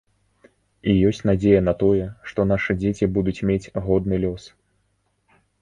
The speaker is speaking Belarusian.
І ёсць надзея на тое, што нашы дзеці будуць мець годны лёс.